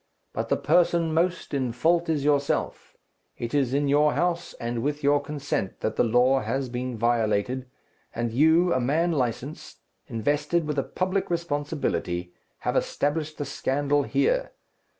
But the person most in fault is yourself. It is in your house, and with your consent, that the law has been violated; and you, a man licensed, invested with a public responsibility, have established the scandal here.